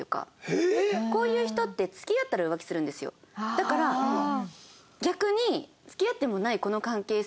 だから逆に。